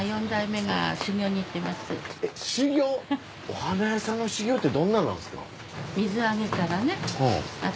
お花屋さんの修行ってどんなのなんですか？